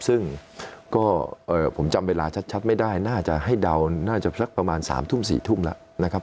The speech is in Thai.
ซึ่งก็ผมจำเวลาชัดไม่ได้น่าจะให้เดาน่าจะสักประมาณ๓ทุ่ม๔ทุ่มแล้วนะครับ